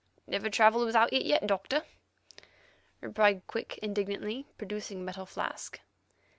"Never travelled without it yet, Doctor," replied Quick indignantly, producing a metal flask.